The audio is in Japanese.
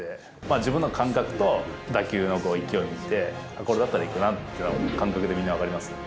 自分の感覚と打球の勢いを見て、これだったらいくなって感覚で分かりますよ。